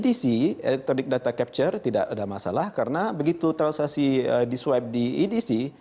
tc electronic data capture tidak ada masalah karena begitu transaksi di swipe di edc